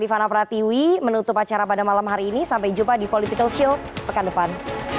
rifana pratiwi menutup acara pada malam hari ini sampai jumpa di political show pekan depan